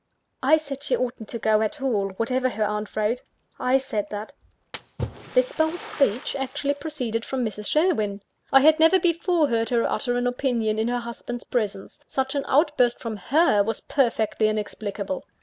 "I said she oughtn't to go at all, whatever her aunt wrote I said that." This bold speech actually proceeded from Mrs. Sherwin! I had never before heard her utter an opinion in her husband's presence such an outburst from her, was perfectly inexplicable.